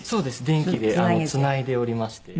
電気でつないでおりまして。